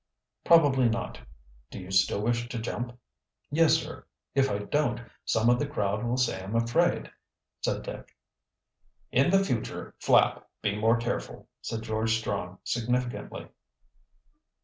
"Probably not. Do you still wish to jump?" "Yes, sir. If I don't, some of the crowd will say I am afraid," said Dick. "In the future, Flapp, be more careful," said George Strong significantly.